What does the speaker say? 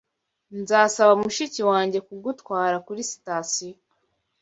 Nzasaba mushiki wanjye kugutwara kuri sitasiyo.